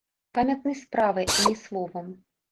Памятны справай, а не словам.